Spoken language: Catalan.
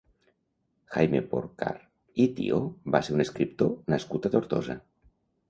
Jaime Porcar i Tió va ser un escriptor nascut a Tortosa.